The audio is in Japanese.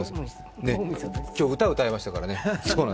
今日、歌を歌いましたからね。